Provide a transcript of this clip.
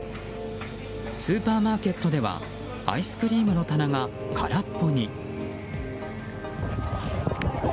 スーパーマーケットではアイスクリームの棚が空っぽに。